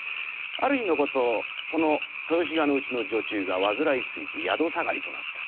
ある日のことこの豊志賀のうちの女中が患いついて宿下がりとなった。